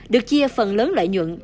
được chia phần lớn lợi nhuận